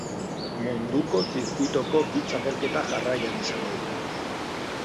Munduko zirkuitoko bi txapelketa jarraian izango ditu.